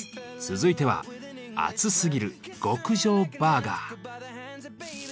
続いては「アツすぎる！極上バーガー」。